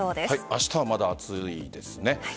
明日は、まだ暑いですね。